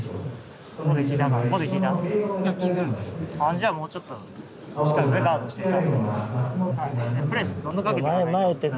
じゃあもうちょっとしっかり上ガードしてさ。